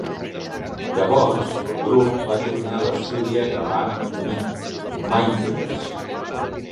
Llavors, el grup va tornar a l'estudi a gravar "Mindfields".